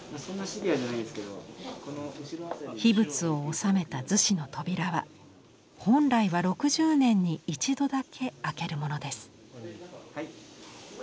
秘仏を納めた厨子の扉は本来は６０年に一度だけ開けるものです。